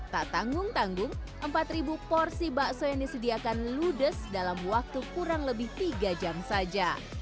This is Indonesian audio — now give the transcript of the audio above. tak tanggung tanggung empat porsi bakso yang disediakan ludes dalam waktu kurang lebih tiga jam saja